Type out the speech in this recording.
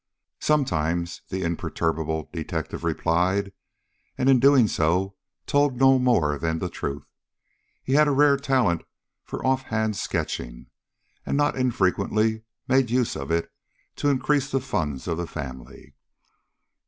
"Sometimes," the imperturbable detective replied, and in so doing told no more than the truth. He had a rare talent for off hand sketching, and not infrequently made use of it to increase the funds of the family.